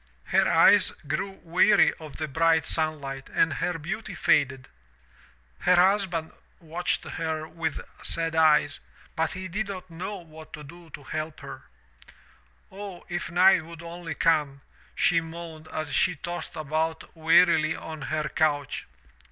Her eyes grew weary of the bright sun light and her beauty faded. Her husband watched her with sad eyes, but he did not know what to do to help her. " *0, if night would only come,' she moaned as she tossed about wearily on her couch.